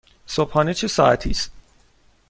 صبحانه چه ساعتی است؟